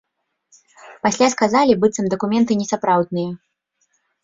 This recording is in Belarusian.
Пасля сказалі, быццам дакументы несапраўдныя.